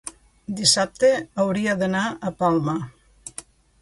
Dissabte hauria d'anar a Palma.